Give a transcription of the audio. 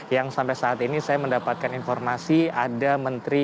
yang sampai saat ini saya mendapatkan informasi